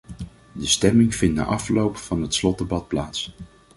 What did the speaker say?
De stemming vindt na afloop van het slotdebat plaats.